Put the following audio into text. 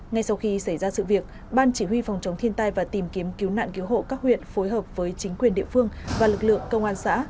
ngay sau khi xảy ra sự việc ban chỉ huy phòng chống thiên tai và tìm kiếm cứu nạn cứu hộ các huyện phối hợp với chính quyền địa phương và lực lượng công an xã